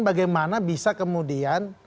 bagaimana bisa kemudian